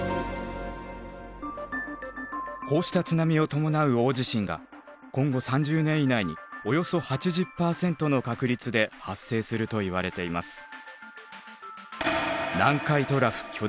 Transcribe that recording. こうした津波を伴う大地震が今後３０年以内におよそ８０％の確率で発生するといわれています。